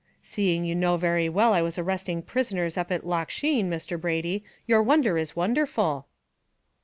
"Seeing you know very well I was arresting prisoners up at Loch Sheen, Mr. Brady, your wonder is wonderful."